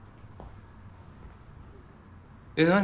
えっ何？